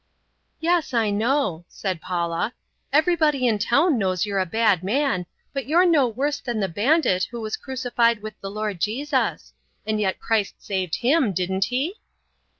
"Yes, I know," said Paula; "everybody in town knows you're a bad man, but you're no worse than the bandit who was crucified with the Lord Jesus; and yet Christ saved him; didn't He?"